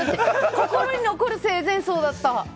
心に残る生前葬だった。